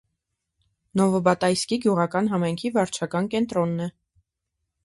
Նովոբատայսկի գյուղական համայնքի վարչական կենտրոնն է։